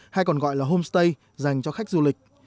hay còn gọi là homestay dành cho khách du lịch